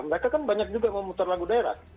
mereka kan banyak juga mau muter lagu daerah